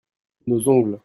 Nos ongles.